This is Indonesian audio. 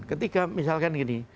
ketika misalkan gini